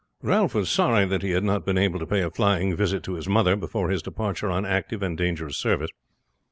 Ralph was sorry that he had not been able to pay a flying visit to his mother before his departure on active and dangerous service.